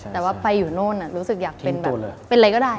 แต่ว่าไปอยู่โน่นรู้สึกอยากเป็นแบบเป็นอะไรก็ได้